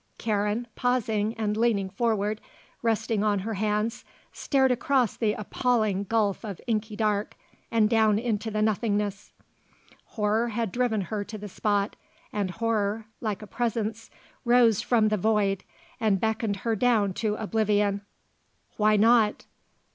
Karen, pausing and leaning forward, resting on her hands, stared across the appalling gulf of inky dark, and down into the nothingness. Horror had driven her to the spot, and horror, like a presence, rose from the void, and beckoned her down to oblivion. Why not?